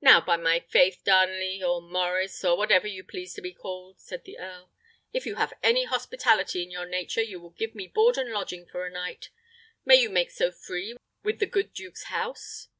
"Now, by my faith, Darnley, or Maurice, or whatever you please to be called," said the earl, "if you have any hospitality in your nature, you will give me board and lodging for a night. May you make so free with the good duke's house?"